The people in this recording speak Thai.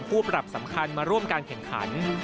ผู้ปรับสำคัญมาร่วมการแข่งขัน